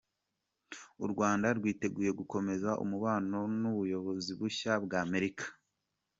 U Rwanda rwiteguye gukomeza umubano n’ubuyobozi bushya bwa Amerika.